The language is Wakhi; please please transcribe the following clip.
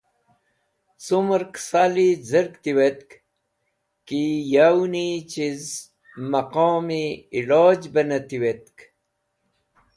Cumẽr kẽsali z̃ir tiwetk ki yavni chiz mẽqomi iloj bẽ ne tiwtk.